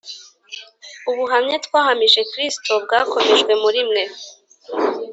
ubuhamya twahamije Kristo bwakomejwe muri mwe;